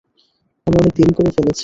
আমরা অনেক দেরি করে ফেলেছি।